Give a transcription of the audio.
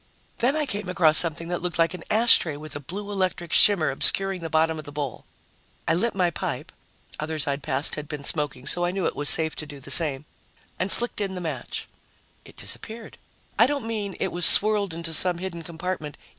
Then I came across something that looked like an ashtray with a blue electric shimmer obscuring the bottom of the bowl. I lit my pipe others I'd passed had been smoking, so I knew it was safe to do the same and flicked in the match. It disappeared. I don't mean it was swirled into some hidden compartment.